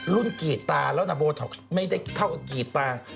ลุ้นกีฟตาแล้วนะบีลท็อกไม่ได้เท่ากับกีฟตา